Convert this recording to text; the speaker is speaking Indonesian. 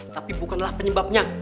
tapi bukanlah penyebabnya